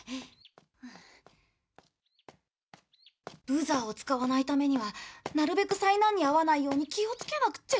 ブザーを使わないためにはなるべく災難に遭わないように気を付けなくっちゃ。